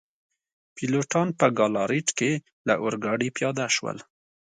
پیلوټان په ګالاریټ کي له اورګاډي پیاده شول.